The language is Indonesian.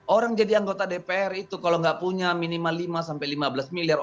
orang jadi anggota dpr itu kalau nggak punya minimal lima sampai lima belas miliar